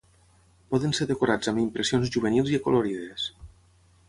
Poden ser decorats amb impressions juvenils i acolorides.